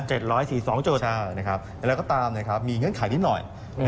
๗๔๒จุดใช่นะครับแล้วก็ตามมีเงื่อนไขนิดหน่อย